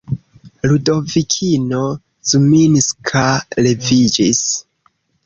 Ludovikino Zminska leviĝis.